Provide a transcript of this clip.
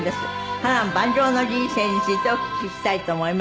波瀾万丈の人生についてお聞きしたいと思います。